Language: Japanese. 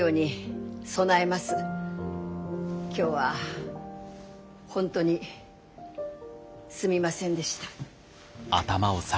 今日は本当にすみませんでした。